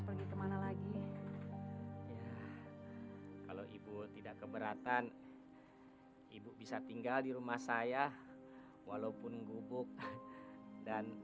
pergi kemana lagi ya kalau ibu tidak keberatan ibu bisa tinggal di rumah saya walaupun gubuk dan